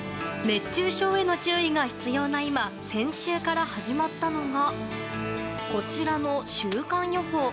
熱中症への注意が必要な今先週から始まったのがこちらの週間予報。